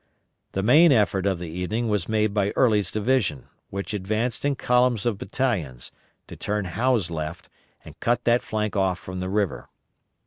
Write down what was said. The main effort of the evening was made by Early's division, which advanced in columns of battalions, to turn Howe's left, and cut that flank off from the river.